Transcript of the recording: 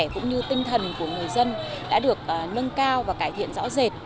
cũng như tinh thần của người dân đã được nâng cao và cải thiện rõ rệt